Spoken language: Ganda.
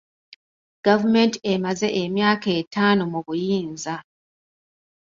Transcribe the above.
Gavumenti emaze emyaka etaano mu buyinza.